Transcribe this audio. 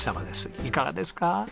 いかがですか？